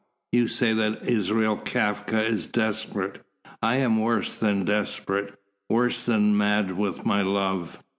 You say that Israel Kafka is desperate. I am worse than desperate, worse than mad with my love."